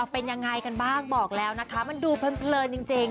เป็นยังไงกันบ้างบอกแล้วนะคะมันดูเพลินจริง